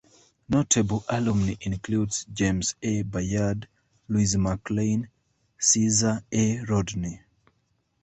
Notable alumni include James A. Bayard, Louis McLane, Caesar A. Rodney.